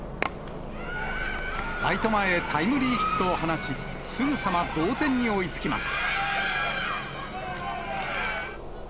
ライト前へタイムリーヒットを放ち、すぐさま同点に追いつきます。